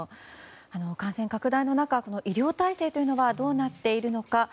感染拡大の中医療体制はどうなっているのか。